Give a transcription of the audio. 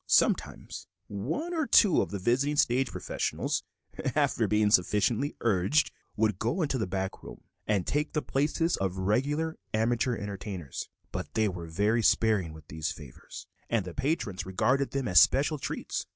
Sometimes one or two of the visiting stage professionals, after being sufficiently urged, would go into the back room and take the places of the regular amateur entertainers, but they were very sparing with these favors, and the patrons regarded them as special treats.